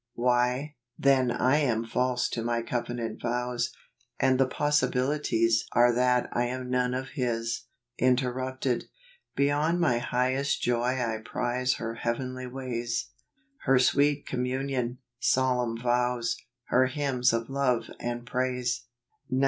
Why, then I am false to my covenant vows, and the possi¬ bilities are that I am none of His. Interrupted. "Beyond my highest joy I prize her heavenly ways; Her sweet communion , solemn vows , Her hymns of love and praise 19.